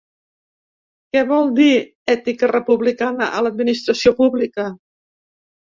Què vol dir ètica republicana a l’administració pública?